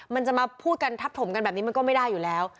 มันจะมาพูดกันทับถมกันแบบนี้มันก็ไม่ได้อยู่แล้ว